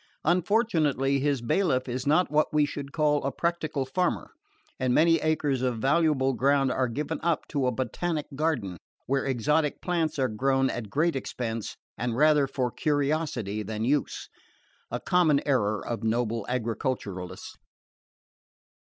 Unfortunately his bailiff is not what we should call a practical farmer; and many acres of valuable ground are given up to a botanic garden, where exotic plants are grown at great expense, and rather for curiosity than use: a common error of noble agriculturists.